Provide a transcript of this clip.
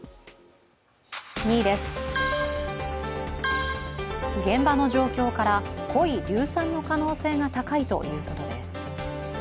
２位です、現場の状況から濃い硫酸の可能性が高いということです。